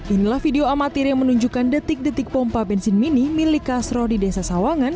inilah video amatir yang menunjukkan detik detik pompa bensin mini milik kasro di desa sawangan